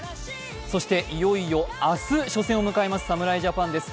そしていよいよ明日初戦を迎えます侍ジャパンです。